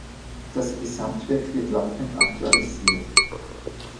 Das Gesamtwerk wird laufend aktualisiert.